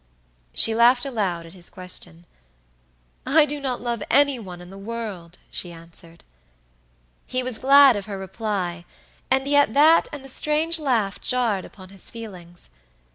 She laughed aloud at his question. "I do not love any one in the world," she answered. He was glad of her reply; and yet that and the strange laugh jarred upon his feelings.